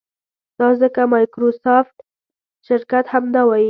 دا ځکه مایکروسافټ شرکت همدا وایي.